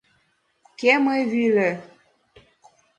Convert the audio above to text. — Кӧ, мый вӱльӧ?